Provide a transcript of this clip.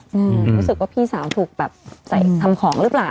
รู้สึกว่าพี่สาวถูกแบบใส่ทำของหรือเปล่า